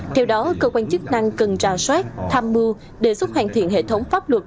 theo đó cơ quan chức năng cần ra soát tham mưu đề xuất hoàn thiện hệ thống pháp luật